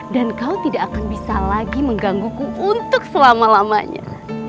dan kau tidak akan bisa lagi menggangguku untuk selama lamanya